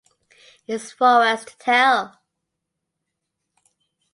It’s for us to tell.